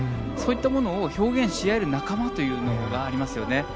そういったものを表現し合える仲間というのがありますよね。